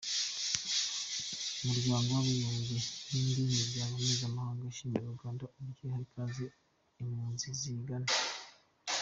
Umuryango w'abibumbye n'indi miryango mpuzamahanga ishimira Uganda uburyo iha ikaze impunzi ziyigana.